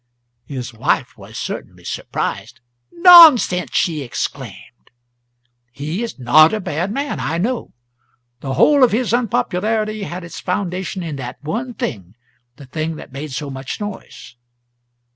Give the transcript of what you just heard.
His wife was certainly surprised. "Nonsense!" she exclaimed. "He is not a bad man. I know. The whole of his unpopularity had its foundation in that one thing the thing that made so much noise."